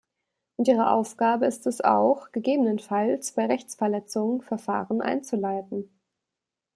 Und ihre Aufgabe ist es auch, gegebenenfalls bei Rechtsverletzungen Verfahren einzuleiten.